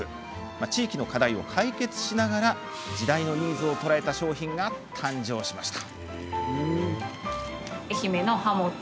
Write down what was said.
地域の課題を解決しながら時代のニーズを捉えた商品が誕生しました。